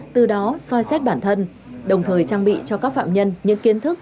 từ đó soi xét bản thân đồng thời trang bị cho các phạm nhân những kiến thức